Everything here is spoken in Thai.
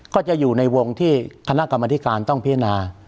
ก็จะอยู่ในวงที่คณะกรรมธิการต้องพินา